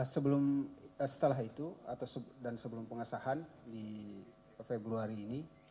sebelum setelah itu atau dan sebelum pengesahan di februari ini